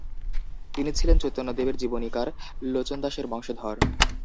তিনি ছিলেন চৈতন্যদেবের জীবনীকার লোচনদাসের বংশধর।